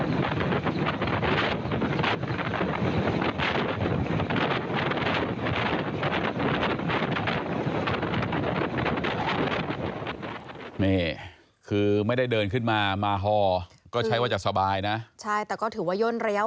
นี่คือไม่ได้เดินขึ้นมามาฮอก็ใช้ว่าจะสบายนะใช่แต่ก็ถือว่าย่นระยะ